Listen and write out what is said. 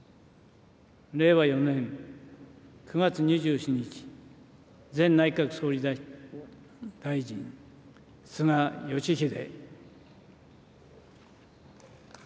令和４年９月２７日、前内閣総理大臣、菅義偉。